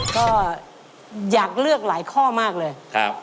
ก็อยากเลือกหลายข้อมากเลย